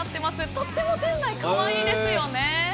とっても店内可愛いですよね。